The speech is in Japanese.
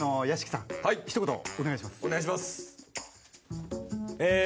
お願いします。